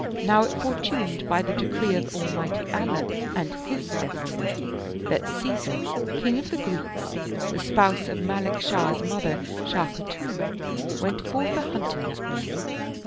Now it fortuned by the decree of Almighty Allah and His destiny, that Caesar, king of the Greeks, the spouse of Ma lik Shah's mother Shah Khatun, went forth a hunting that morning.